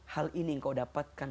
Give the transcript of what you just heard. hal ini engkau dapatkan